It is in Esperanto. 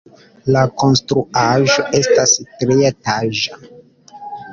La konstruaĵo estas trietaĝa.